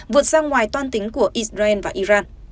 vượt sang ngoài toan tính của israel và iran